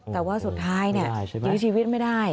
แต่ว่าสุดท้ายยื้อชีวิตไม่ได้